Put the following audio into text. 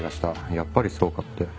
やっぱりそうかって。